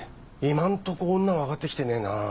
今んとこ女は上がって来てねえなぁ。